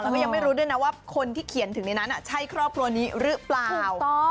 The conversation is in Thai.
แล้วก็ยังไม่รู้ด้วยนะว่าคนที่เขียนถึงในนั้นใช่ครอบครัวนี้หรือเปล่า